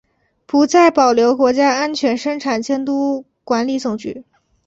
不再保留国家安全生产监督管理总局。